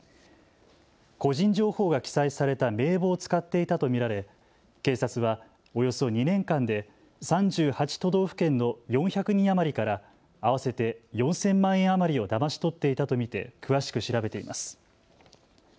個人情報が記載された名簿を使っていたと見られ警察はおよそ２年間で３８都道府県の４００人余りから合わせて４０００万円余りをだまし取っていたと見て詳しく調べています。